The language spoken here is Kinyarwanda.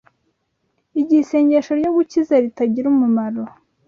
Igihe Isengesho ryo Gukiza Ritagira Umumaro